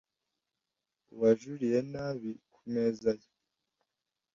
uwajuriye nabi ku meza ye